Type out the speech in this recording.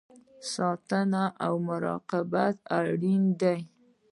ساتنه او مراقبت اړین دی